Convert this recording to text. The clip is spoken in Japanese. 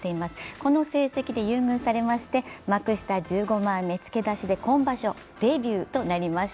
この成績で優遇されまして幕下１５枚目付け出しで今場所デビューとなりました。